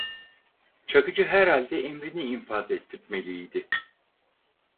Çakıcı herhalde emrini infaz ettirtmeli idi.